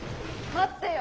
待ってよ！